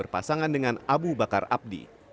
berpasangan dengan abu bakar abdi